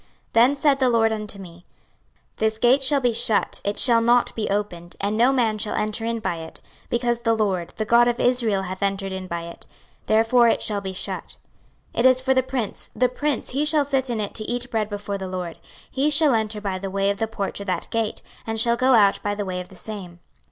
26:044:002 Then said the LORD unto me; This gate shall be shut, it shall not be opened, and no man shall enter in by it; because the LORD, the God of Israel, hath entered in by it, therefore it shall be shut. 26:044:003 It is for the prince; the prince, he shall sit in it to eat bread before the LORD; he shall enter by the way of the porch of that gate, and shall go out by the way of the same.